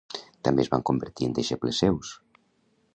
També es van convertir en deixebles seus.